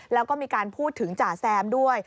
แล้วก็มีการพูดถึงจ่าแซมด้วย